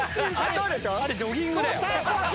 あれジョギングだよ。